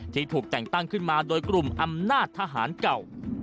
ที่ถูกแต่งตั้งขึ้นมาโดยกลุ่มอำนาจทหารเก่า